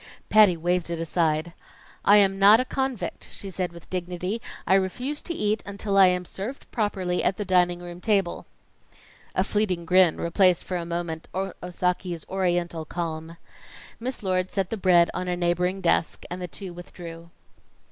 Patty waved it aside. "I am not a convict," she said with dignity. "I refuse to eat until I am served properly at the dining room table." A fleeting grin replaced for a moment Osaki's Oriental calm. Miss Lord set the bread on a neighboring desk, and the two withdrew.